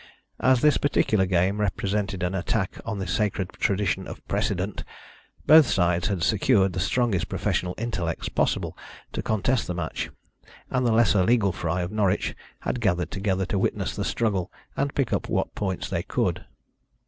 As this particular game represented an attack on the sacred tradition of Precedent, both sides had secured the strongest professional intellects possible to contest the match, and the lesser legal fry of Norwich had gathered together to witness the struggle, and pick up what points they could.